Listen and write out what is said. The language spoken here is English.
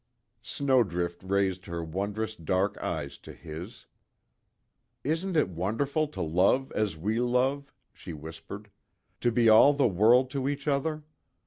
Snowdrift raised her wondrous dark eyes to his: "Isn't it wonderful to love as we love?" she whispered, "To be all the world to each other?